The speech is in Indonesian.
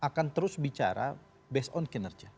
atau kita terus bicara based on kinerja